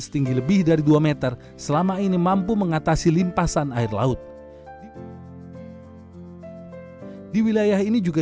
setinggi lebih dari dua meter selama ini mampu mengatasi limpasan air laut di wilayah ini juga